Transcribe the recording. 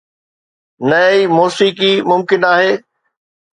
نه ئي موسيقي ممڪن آهي.